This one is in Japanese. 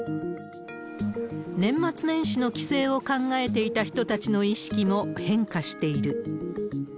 年末年始の帰省を考えていた人たちの意識も変化している。